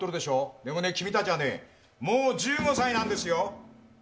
でもね、君たちはもう１５歳なんですよ。